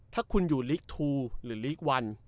ถ้าคุณอยู่ลีก๒หรือลีก๑